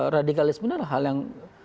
radikalisme adalah hal yang